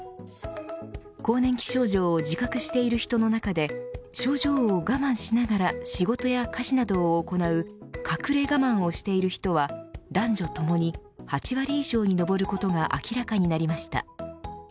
更年期症状を自覚している人の中で症状を我慢しながら仕事や家事などを行う隠れ我慢をしている人は男女ともに８割以上に上ることが明らかになりました。